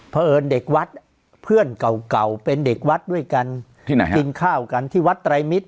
เผอิญเด็กวัดเพื่อนเก่าเป็นเด็กวัดด้วยกันกินข้าวกันที่วัดไตรมิตร